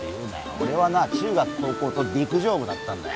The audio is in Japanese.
俺はな中学高校と陸上部だったんだよ